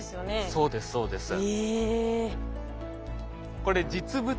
そうですそうです。えっ。